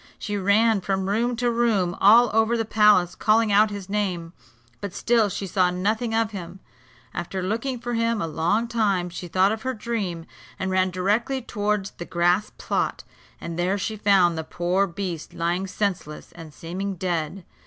She ran from room to room all over the palace, calling out his name, but still she saw nothing of him. After looking for him a long time, she thought of her dream, and ran directly towards the grass plot; and there she found the poor beast lying senseless and seeming dead.